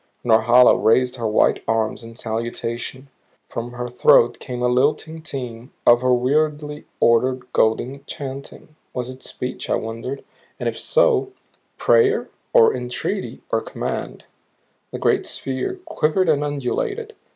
Norhala raised her white arms in salutation; from her throat came a lilting theme of her weirdly ordered, golden chanting. Was it speech, I wondered; and if so prayer or entreaty or command? The great sphere quivered and undulated.